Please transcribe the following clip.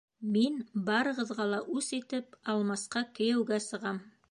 Мин, барығыҙға ла үс итеп, Алмасҡа кейәүгә сығам!